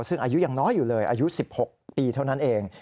ซึ่งอายุยังน้อยอยู่เลยอายุ๑๖ปีเท่านั้นเอง